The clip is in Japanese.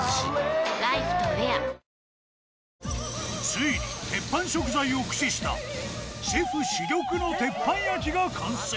ついにテッパン食材を駆使したシェフ珠玉の鉄板焼きが完成！